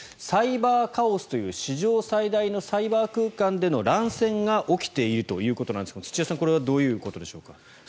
サイバーカオスという史上最大のサイバー空間での乱戦が起きているということなんですが土屋さんこれはどういうことでしょうか。